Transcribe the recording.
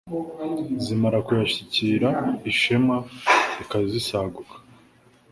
Zimara kuyashyikira Ishema rikazisaguka.